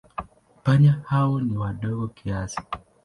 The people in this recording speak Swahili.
Panya hao ni wadogo kiasi.